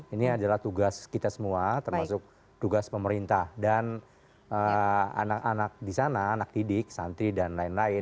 ini adalah tugas kita semua termasuk tugas pemerintah dan anak anak di sana anak didik santri dan lain lain